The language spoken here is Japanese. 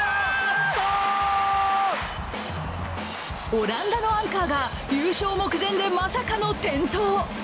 オランダのアンカーが優勝目前でまさかの転倒。